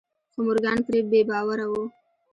خو مورګان پرې بې باوره و.